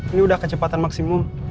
ini udah kecepatan maksimum